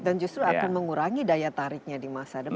dan justru akan mengurangi daya tariknya di masa depan